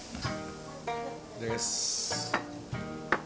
いただきます。